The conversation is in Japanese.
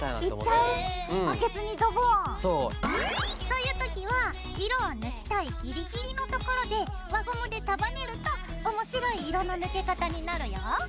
そういうときは色を抜きたいギリギリのところで輪ゴムでたばねると面白い色の抜け方になるよ。